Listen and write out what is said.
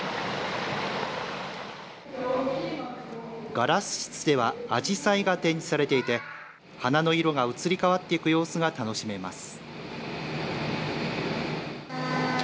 ガラス室ではアジサイが展示されていて花の色が移り変わっていく様子が楽しめます。